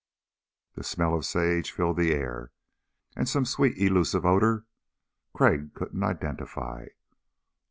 The smell of sage filled the air, and some sweet elusive odor Crag couldn't identify.